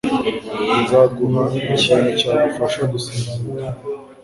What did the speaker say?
Nzaguha ikintu cyagufasha gusinzira.